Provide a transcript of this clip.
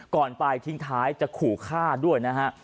ก่อนไปทิ้งท้ายจะขู่ฆ่าด้วยนะฮะ